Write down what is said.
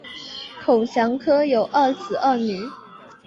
孔祥柯有二子二女